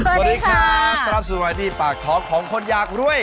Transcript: สวัสดีค่ะสนับสถานที่ปากท้องของคนอยากรวย